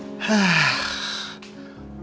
yang berbentuk seperti ini